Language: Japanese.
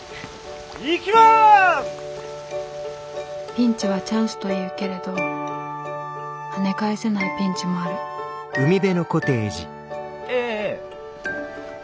ピンチはチャンスというけれど跳ね返せないピンチもあるええええええ。